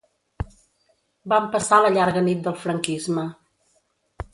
Vam passar la llarga nit del franquisme.